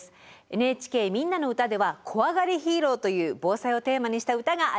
「ＮＨＫみんなのうた」では「こわがりヒーロー」という「防災」をテーマにした歌があります。